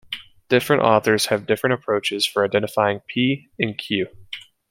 Different authors have different approaches for identifying "p" and "q".